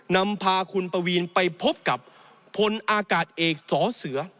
นำพาคุณปวีนไปพบกับพลอากาศเอกสอเสือ